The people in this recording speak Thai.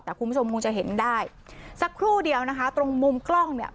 แต่คุณผู้ชมคงจะเห็นได้สักครู่เดียวนะคะตรงมุมกล้องเนี่ย